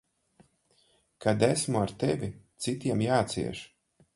Kad esmu ar tevi, citiem jācieš.